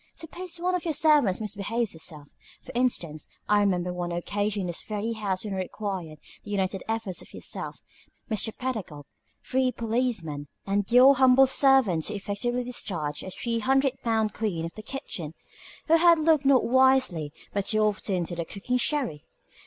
Suppose one of your servants misbehaves herself, for instance I remember one occasion in this very house when it required the united efforts of yourself, Mr. Pedagog, three policemen, and your humble servant to effectively discharge a three hundred pound queen of the kitchen, who had looked not wisely but too often on the cooking sherry.